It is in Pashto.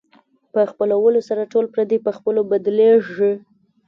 په خپلولو سره ټول پردي په خپلو بدلېږي.